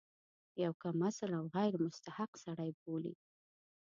یو کم اصل او غیر مستحق سړی بولي.